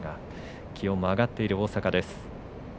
気温が上がっている大阪。